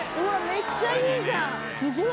めっちゃいいじゃん！